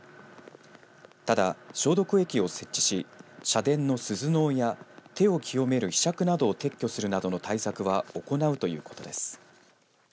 ただ、消毒液を設置し社殿の鈴の緒や手を清めるひしゃくなどを撤去するなどの対策は行うということです。